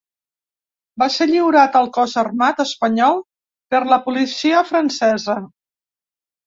Va ser lliurat al cos armat espanyol per la policia francesa.